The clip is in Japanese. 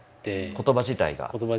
言葉自体。